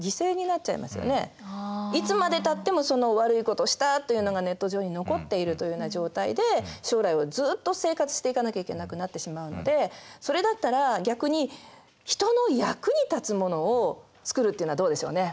いつまでたっても悪いことをしたというのがネット上に残っているというような状態で将来をずっと生活していかなきゃいけなくなってしまうのでそれだったら逆に人の役に立つものを作るっていうのはどうでしょうね？